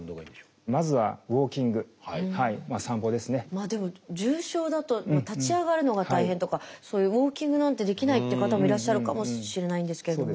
まあでも重症だと立ち上がるのが大変とかそういうウォーキングなんてできないって方もいらっしゃるかもしれないんですけれども。